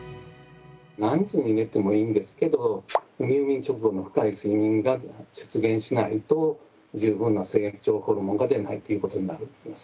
何時に寝てもいいんですけど入眠直後の深い睡眠が出現しないと十分な成長ホルモンが出ないということになると思います。